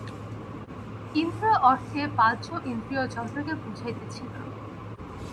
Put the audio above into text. ইন্দ্রিয় অর্থে বাহ্য ইন্দ্রিয়-যন্ত্রকে বুঝাইতেছি না।